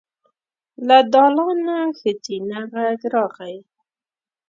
له دالانه ښځينه غږ راغی.